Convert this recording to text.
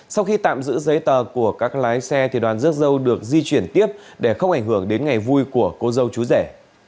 sau khi tạm giữ giấy tờ của các lái xe đoàn rước dâu được di chuyển tiếp để không ảnh hưởng đến ngày vui của cô dâu chú rẻ